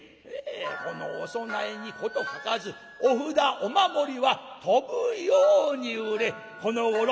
このお供えに事欠かずお札お守りは飛ぶように売れこのごろ